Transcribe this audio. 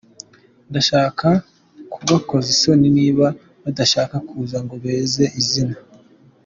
Ndashaka kubakoza isoni niba badashaka kuza ngo beze izina